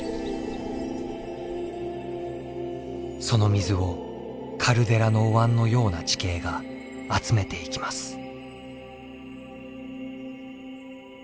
その水をカルデラのおわんのような地形が集めていきます。